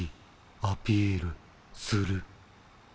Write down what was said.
アピールする。